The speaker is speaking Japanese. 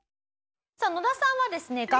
さあ野田さんはですね